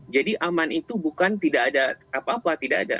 jadi aman itu bukan tidak ada apa apa tidak ada